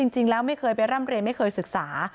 จริงแล้วไม่เคยไปร่ำเรียนไม่เคยศึกษา